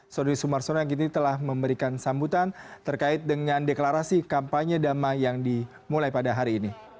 saudara sumarsono yang kini telah memberikan sambutan terkait dengan deklarasi kampanye damai yang dimulai pada hari ini